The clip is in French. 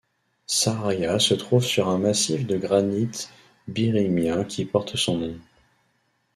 Saraya se trouve sur un massif de granite birrimien qui porte son nom.